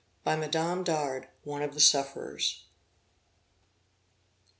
By MADAME DARD, one of the Sufferers.